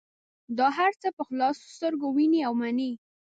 دا هر څه په خلاصو سترګو وینې او مني.